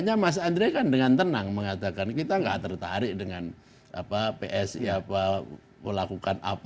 makanya mas andre kan dengan tenang mengatakan kita nggak tertarik dengan psi melakukan apa